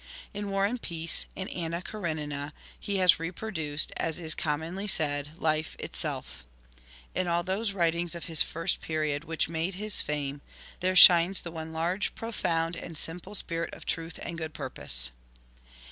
In War and Peace and Anna Karenina he has reproduced, as is com monly said, "life itself." In all those writings of his first period, which made his fame, there shines the one large, profound, and simple spirit of truth and good purpose.